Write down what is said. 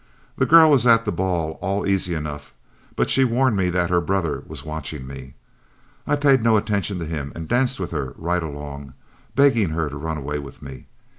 My girl was at the ball all easy enough, but she warned me that her brother was watching me. I paid no attention to him, and danced with her right along, begging her to run away with me.